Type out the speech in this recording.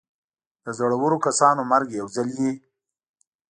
د زړور کسانو مرګ یو ځل وي.